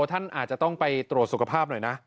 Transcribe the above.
ท่านอาจจะต้องไปตรวจสุขภาพหน่อยนะ